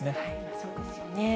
そうですよね。